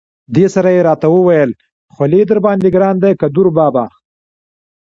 دې سره یې را ته وویل: خولي درباندې ګران دی که دوربابا.